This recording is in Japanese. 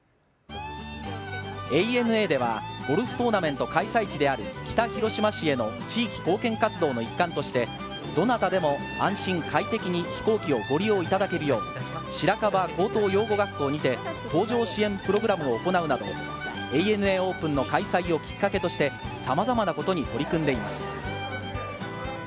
ＡＮＡではゴルフトーナメント開催地である北広島市への地域貢献活動の一環として、どなたでも安心・快適に飛行機をご利用いただけるよう、白樺高等養護学校にて搭乗支援プログラムを行うなど、ＡＮＡオープンの開催をきっかけとしてさまざまなことに取り組んでいます。